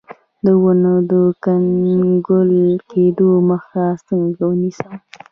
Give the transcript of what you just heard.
د ونو د کنګل کیدو مخه څنګه ونیسم؟